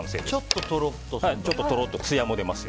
ちょっととろっと、つやも出ます。